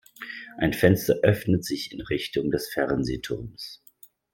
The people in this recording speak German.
Ein Fenster öffnet sich in Richtung des Fernsehturms.